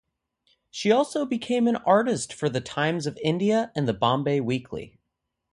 She also became an artist for the "Times of India" and the "Bombay Weekly".